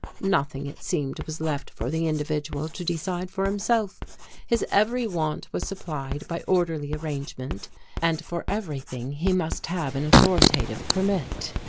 Nothing, it seemed, was left for the individual to decide for himself. His every want was supplied by orderly arrangement and for everything he must have an authoritative permit.